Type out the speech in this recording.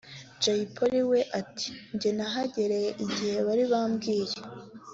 Jay Polly we ati ”Njye nahagereye igihe bari bambwiye